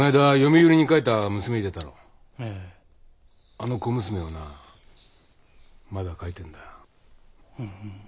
あの小娘をなまだ描いてんだよ。